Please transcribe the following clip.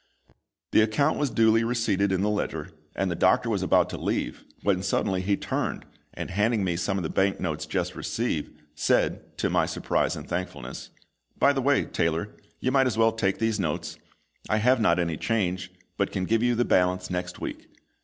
The account was duly receipted in the ledger, and the doctor was about to leave, when suddenly he turned, and handing me some of the bank notes just received, said, to my surprise and thankfulness, "By the way, Taylor, you might as well take these notes; I have not any change, but can give you the balance next week."